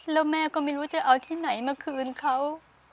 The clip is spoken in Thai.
แล้วแม่ก็ไม่รู้จะเอาที่ไหนมาคืนเขา